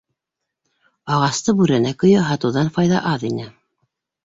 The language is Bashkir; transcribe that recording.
Ағасты бүрәнә көйө һатыуҙан файҙа аҙ ине.